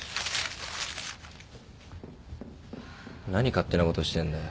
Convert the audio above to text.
何勝手なことしてんだよ。